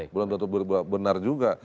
belum tentu benar juga